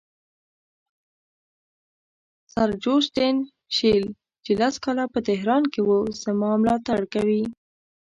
سر جوسټین شیل چې لس کاله په تهران کې وو زما ملاتړ کوي.